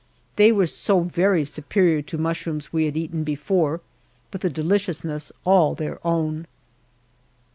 They were so very superior to mushrooms we had eaten before with a deliciousness all their own.